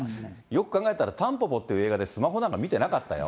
よく考えたら、たんぽぽっていう映画で、スマホなんか見てなかったよ。